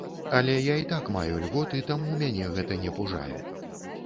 Але я і так маю льготы, таму мяне гэта не пужае.